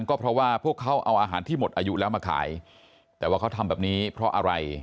ก็เพราะว่าพวกเขาเอาอาหารที่หมดอายุแล้วมาขายแต่ว่าเขาทำแบบนี้เพราะอะไร